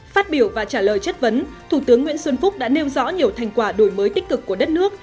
phát biểu và trả lời chất vấn thủ tướng nguyễn xuân phúc đã nêu rõ nhiều thành quả đổi mới tích cực của đất nước